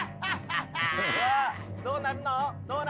どうなるの？